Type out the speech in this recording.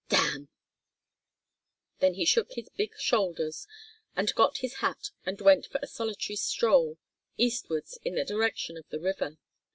"Damn." Then he shook his big shoulders, and got his hat and went for a solitary stroll, eastwards in the direction of the river.